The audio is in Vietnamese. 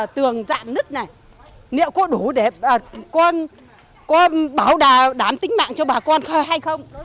tường dạng nứt này liệu có đủ để bảo đảm tính mạng cho bà con hay không